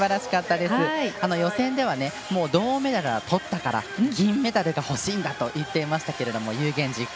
予選では銅メダルはとったから銀メダルがほしいんだと言っていましたけれども有言実行。